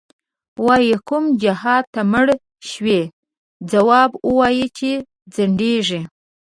وایې کوم جهادته مړ شوی، ځواب وایه چی ځندیږی